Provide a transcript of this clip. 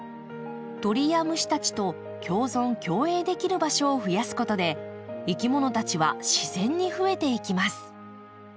鳥や虫たちと共存共栄できる場所を増やすことでいきものたちは自然に増えていきます。